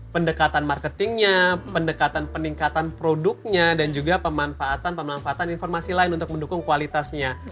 pendekatan marketingnya pendekatan peningkatan produknya dan juga pemanfaatan pemanfaatan informasi lain untuk mendukung kualitasnya